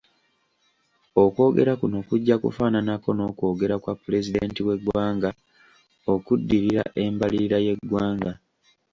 Okwogera kuno kujja kufaafananako n'okwogera kwa Pulezidenti w'eggwanga okuddirira embalirira y'eggwanga.